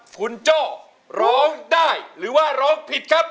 คุณโจ้ร้องได้หรือว่าร้องผิดครับ